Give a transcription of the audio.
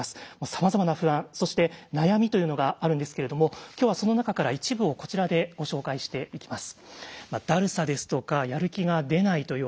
さまざまな不安そして悩みというのがあるんですけれども今日はその中から一部をこちらでご紹介していきます。